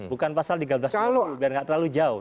bukan pasal seribu tiga ratus dua puluh biar tidak terlalu jauh